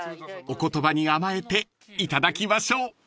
［お言葉に甘えていただきましょう］